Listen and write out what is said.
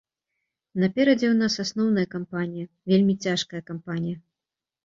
Наперадзе ў нас асноўная кампанія, вельмі цяжкая кампанія.